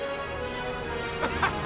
アハハハ！